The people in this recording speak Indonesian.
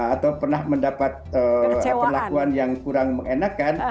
atau pernah mendapat perlakuan yang kurang mengenakan